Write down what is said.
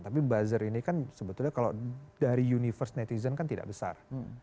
tapi buzzer ini kan sebetulnya kalau dari universe netizen kan tidak besar